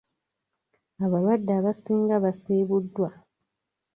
Abalwadde abasinga basiibuddwa.